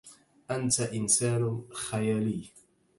أنت إنسان خيالي